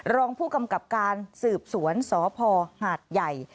รองผู้กำกับการสืบสวนสพหาดใหญ่